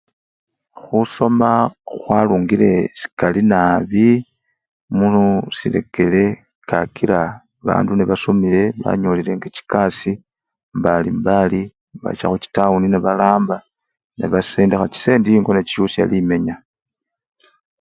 Khusoma khwarungile sikali nabii muu sirekere kakila bandu nebasomile banyolilenga chikasii mbali mbali bacha mutawuni nebalamba ne basindikha chisende engo nebayusha limenya